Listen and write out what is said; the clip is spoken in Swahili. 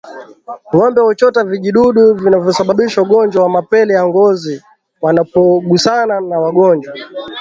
Ngombe huchota vijidudu vinavyosababisha ugonjwa wa mapele ya ngozi wanapogusana na wagonjwa